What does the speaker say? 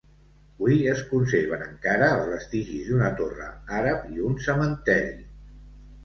Hui es conserven encara els vestigis d'una torre àrab i un cementeri.